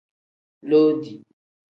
Loodi.